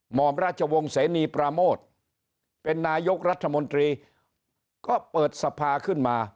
หมอมราชวงศ์เสนีปราโมทเป็นนายกรัฐมนตรีก็เปิดสภาขึ้นมา